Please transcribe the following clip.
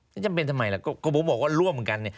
ไม่จำเป็นทำไมล่ะก็ผมบอกว่าร่วมกัน